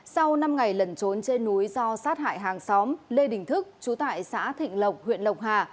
sau năm ngày lẩn trốn trên núi do sát hại hàng xóm lê đình thức chú tại xã thịnh lộc huyện lộc hà